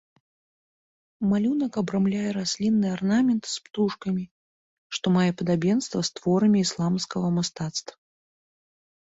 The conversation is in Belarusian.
Малюнак абрамляе раслінны арнамент з птушкамі, што мае падабенства з творамі ісламскага мастацтва.